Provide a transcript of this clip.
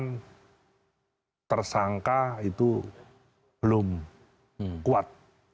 yang tersangka itu belum kuat